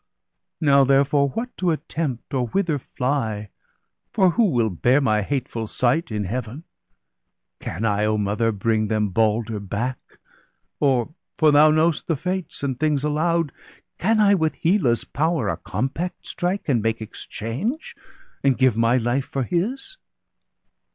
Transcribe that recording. Now therefore what to attempt, or whither fly, For who will bear my hateful sight in Heaven .? Can I, O mother, bring them Balder back.? Or — for thou know'st the fates, and things allow' d — Can I with Hela's power a compact strike. And make exchange, and give my life for his.'''